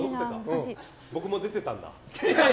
僕も出てたんだ。